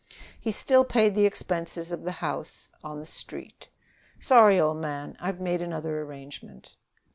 He still paid the expenses of the house on the Street. "Sorry, old man; I've made another arrangement."